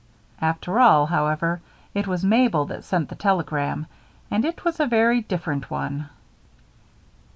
After all, however, it was Mabel that sent the telegram, and it was a very different one.